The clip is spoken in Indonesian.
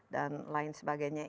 dan lain sebagainya